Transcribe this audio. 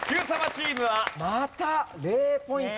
チームはまた０ポイント。